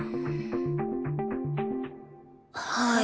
はい。